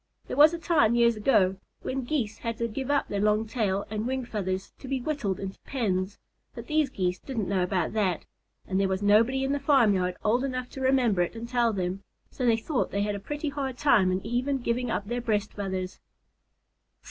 There was a time, years ago, when Geese had to give up their long tail and wing feathers to be whittled into pens, but these Geese didn't know about that, and there was nobody in the farmyard old enough to remember it and tell them, so they thought they had a pretty hard time in even giving up their breast feathers.